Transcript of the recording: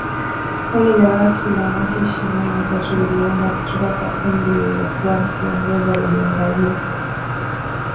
Kundi la waasi sa Machi ishirini na tatu liliundwa kutoka kwa kundi lililokuwa likiongozwa na Jenerali Bosco Ntaganda